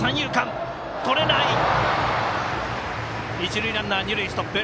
一塁ランナー、二塁ストップ。